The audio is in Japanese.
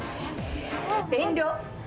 「遠慮」